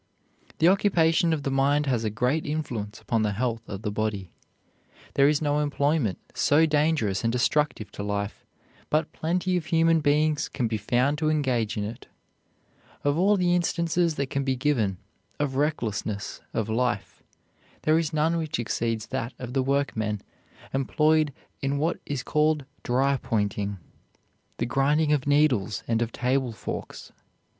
The occupation of the mind has a great influence upon the health of the body. There is no employment so dangerous and destructive to life but plenty of human beings can be found to engage in it. Of all the instances that can be given of recklessness of life, there is none which exceeds that of the workmen employed in what is called dry pointing the grinding of needles and of table forks.